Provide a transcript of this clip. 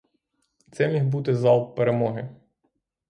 Це міг бути залп перемоги.